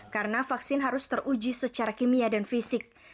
karena vaksin harus teruji secara kimia dan fisik